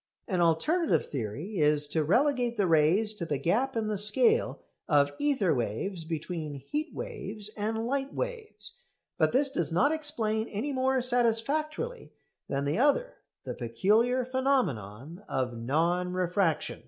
An alternative theory is to relegate the rays to the gap in the scale of ether waves between heatwaves and light waves. But this does not explain any more satisfactorily than the other the peculiar phenomenon of non refraction.